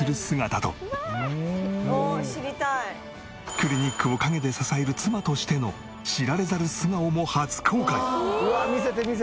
クリニックを陰で支える妻としての知られざる素顔も初公開。